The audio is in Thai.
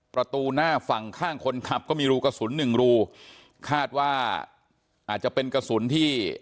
ประตูหน้าฝั่งข้างคนขับก็มีรูกระสุนหนึ่งรูคาดว่าอาจจะเป็นกระสุนที่